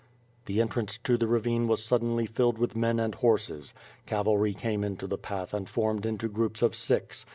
The entrance to the ravine was suddenly filled with men and horses. Cavalry came into the path and formed into groups of six.